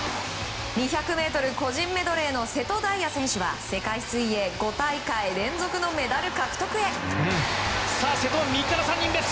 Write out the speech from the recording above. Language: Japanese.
２００ｍ個人メドレーの瀬戸大也選手は世界水泳５大会連続のメダル獲得へ！